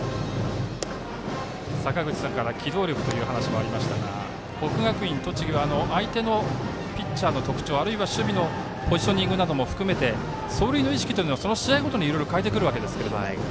機動力という話がありましたが国学院栃木は相手のピッチャーの特徴あるいは守備のポジショニングも含めて走塁の意識というのは試合ごとに変えてくるわけですが。